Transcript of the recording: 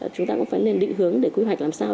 chúng ta cũng phải nên định hướng để quy hoạch làm sao